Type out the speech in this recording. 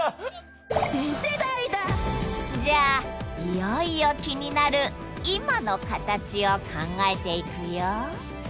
じゃあいよいよ気になる「今のカタチ」を考えていくよ。